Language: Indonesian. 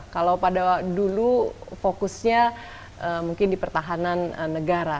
kalau pada dulu fokusnya mungkin di pertahanan negara